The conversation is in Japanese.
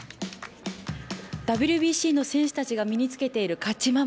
ＷＢＣの選手たちが身につけている勝守。